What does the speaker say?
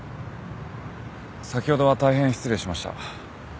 先ほどは大変失礼しました。